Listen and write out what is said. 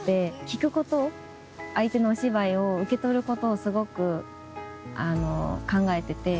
聞くこと相手のお芝居を受け取ることをすごく考えてて。